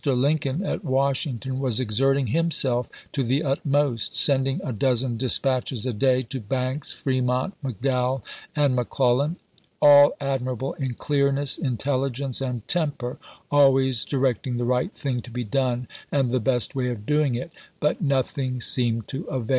Lincoln, at Washington, was exerting himself to the utmost, sending a dozen dispatches a day to Banks, Fremont, McDowell, and McClellan — all admirable in clearness, intelligence, and temper, always direct ing the right thing to be done and the best way of doing it ; but nothing seemed to avail.